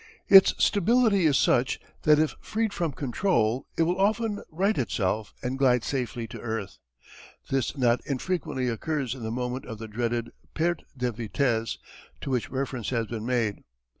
Its stability is such that if freed from control it will often right itself and glide safely to earth. This not infrequently occurs in the moment of the dreaded perte de vitesse, to which reference has been made.